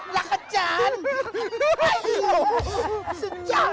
ลักษณ์จาน